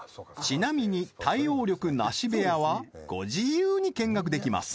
ちなみに対応力ナシ部屋はご自由に見学できます